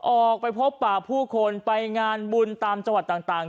ออกไปพบป่าผู้คนไปงานบุญตามจังหวัดต่าง